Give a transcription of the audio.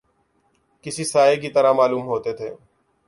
کسی سائے کی طرح معلوم ہوتے تھے